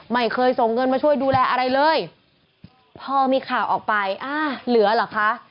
ไม่เคยส่งเงินมาช่วยดูแลอะไรเลยพอมีข่าวออกไปอ่าเหลือเหรอคะ